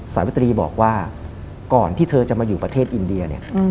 สาวิตรีบอกว่าก่อนที่เธอจะมาอยู่ประเทศอินเดียเนี่ย